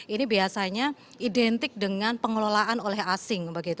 ini biasanya identik dengan pengelolaan oleh asing